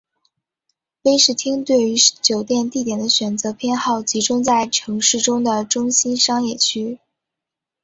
威士汀对于酒店地点的选择偏好集中在城市中的中心商业区。